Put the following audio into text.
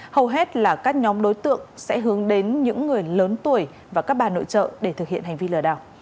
hầu hết là các nhóm đối tượng sẽ hướng đến những người lớn tuổi và các bà nội trợ để thực hiện hành vi lừa đảo